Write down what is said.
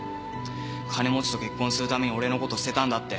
金持ちと結婚するために俺のこと捨てたんだって。